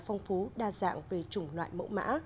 phong phú đa dạng về chủng loại mẫu mã